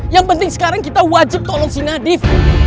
yang penting sekarang kita wajib tolong si nadif